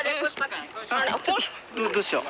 どうしよう？